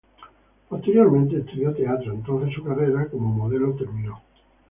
Posteriormente estudió teatro, entonces su carrera como modelo terminó.